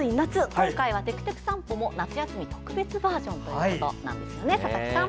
今回は「てくてく散歩」も夏休み特別バージョンなんですよね佐々木さん。